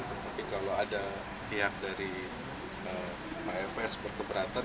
tapi kalau ada pihak dari pfs berkeberatan